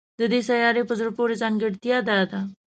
د دې سیارې په زړه پورې ځانګړتیا دا ده